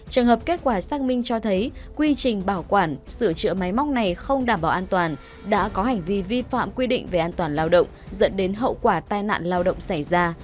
trường hợp kết quả xác minh cho thấy quy trình bảo quản sửa chữa máy móc này không đảm bảo an toàn đã có hành vi vi phạm quy định về an toàn lao động dẫn đến hậu quả tai nạn lao động xảy ra